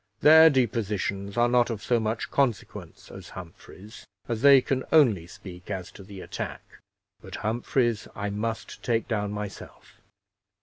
Their depositions are not of so much consequence as Humphrey's, as they can only speak as to the attack, but Humphrey's I must take down myself."